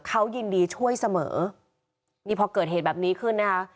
เขายินดีช่วยเสมอนี่พอเกิดเหตุแบบนี้ขึ้นนะคะ